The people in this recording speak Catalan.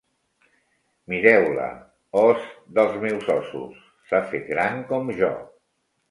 Mireu-la: os dels meus ossos, s'ha fet gran com jo!